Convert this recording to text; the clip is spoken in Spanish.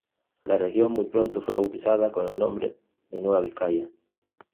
La región muy pronto fue bautizada con el nombre de Nueva Vizcaya.